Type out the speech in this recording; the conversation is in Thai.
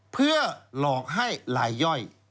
เพื่อหลอกให้ลายย่อย